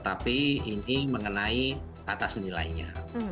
tapi ini mengenai atas nilainya